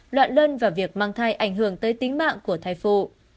loạn lân và việc mang thai ảnh hưởng tới tính mạng của thai phụ